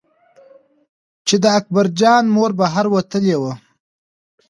چې د اکبر جان مور بهر وتلې وه.